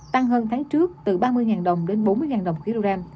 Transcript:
tăng hơn tháng trước từ ba mươi đồng đến bốn mươi đồng một kg